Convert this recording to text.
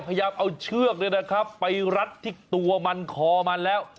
พยายามเอาเชือกเลยนะครับไปรัดทิ้งตัวมันคอมันแล้ว